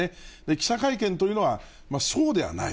記者会見というのはショーではない。